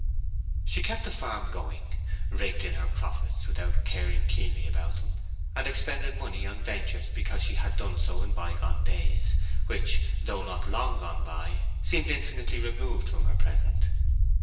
She kept the farm going, raked in her profits without caring keenly about them, and expended money on ventures because she had done so in bygone days, which, though not long gone by, seemed infinitely removed from her present.